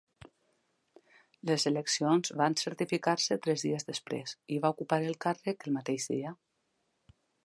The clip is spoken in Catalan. Les eleccions van certificar-se tres dies després i va ocupar el càrrec el mateix dia.